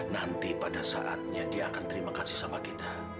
nanti pada saatnya dia akan terima kasih sama kita